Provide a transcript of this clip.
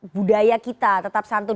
budaya kita tetap santun